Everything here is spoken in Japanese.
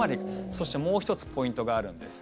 そして、もう１つポイントがあるんです。